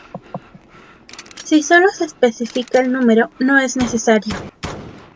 Si solo se especifica el número, no es necesario.